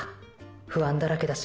不安だらけだし